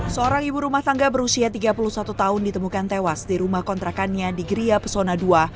seorang ibu rumah tangga berusia tiga puluh satu tahun ditemukan tewas di rumah kontrakannya di geria pesona ii